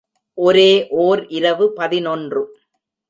ஒரே ஒர் இரவு பதினொன்று.